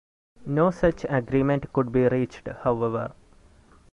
No such agreement could be reached however.